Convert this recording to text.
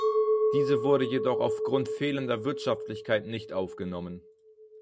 Diese wurde jedoch aufgrund fehlender Wirtschaftlichkeit nicht aufgenommen.